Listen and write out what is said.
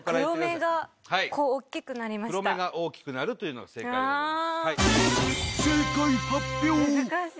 黒目が大きくなるというのが正解でございます。